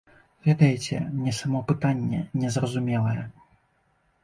Ведаеце, мне само пытанне незразумелае.